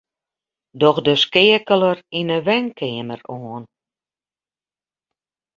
Doch de skeakeler yn 'e wenkeamer oan.